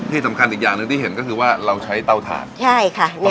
ที่สำคัญอีกอย่างหนึ่งที่เห็นก็คือว่าเราใช้เตาถ่านใช่ค่ะ